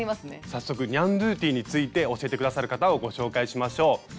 早速ニャンドゥティについて教えて下さる方をご紹介しましょう。